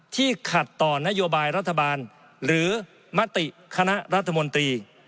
ขัดต่อนโยบายรัฐบาลหรือมติคณะรัฐมนตรี